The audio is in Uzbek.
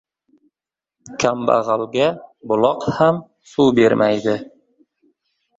• Kambag‘alga buloq ham suv bermaydi.